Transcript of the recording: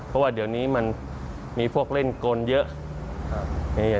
เพราะว่าเดี๋ยวนี้มันมีพวกเล่นกลเยอะ